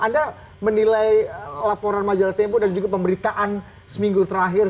anda menilai laporan majalah tempo dan juga pemberitaan seminggu terakhir